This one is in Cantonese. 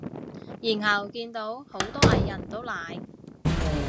然後見到好多藝人都奶